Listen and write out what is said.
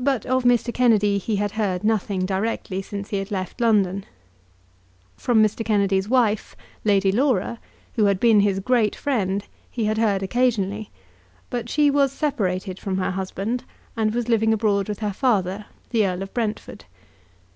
But of Mr. Kennedy he had heard nothing directly since he had left London. From Mr. Kennedy's wife, Lady Laura, who had been his great friend, he had heard occasionally; but she was separated from her husband, and was living abroad with her father, the Earl of Brentford.